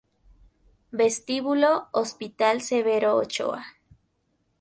Vestíbulo Hospital Severo Ochoa